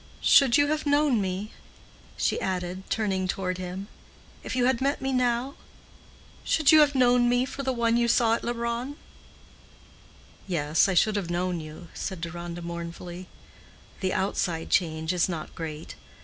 Should you have known me," she added, turning toward him, "if you had met me now?—should you have known me for the one you saw at Leubronn?" "Yes, I should have known you," said Deronda, mournfully. "The outside change is not great.